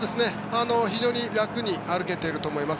非常に楽に歩けていると思います。